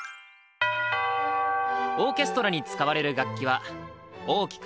オーケストラに使われる楽器は大きく４つに分けられる。